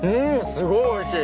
すごいおいしい！